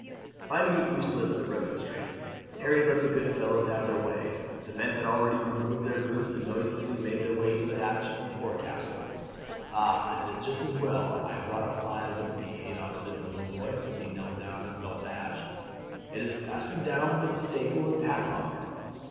Finding it useless to remonstrate, Harry let the good fellows have their way. The men had already removed their boots, and noiselessly made their way to the hatch of the forecastle. "Ah, it is just as well I brought a file with me," Adolphe said in a low voice, as he knelt down and felt the hatch. "It is fastened down with a staple and padlock.